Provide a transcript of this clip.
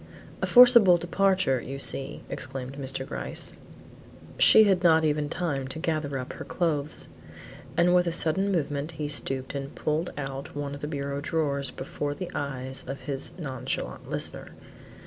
"A forcible departure you see," exclaimed Mr. Gryce; "she had not even time to gather up her clothes;" and with a sudden movement he stooped and pulled out one of the bureau drawers before the eyes of his nonchalant listener.